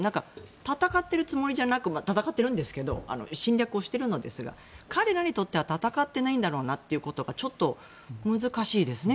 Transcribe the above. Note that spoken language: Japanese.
戦っているつもりじゃなく戦ってるんですけど侵略をしてるんですけど彼らにとっては戦っていないんだろうなというのが難しいですね。